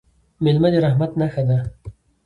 مېلمه د رحمت نښه ده.